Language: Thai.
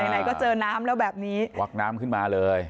ไหนก็เจอน้ำแล้วแบบนี้วักน้ำขึ้นมาเลย